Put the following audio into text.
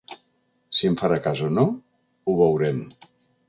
Si em farà cas o no, ho veurem.